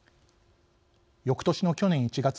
よくとしの去年１月。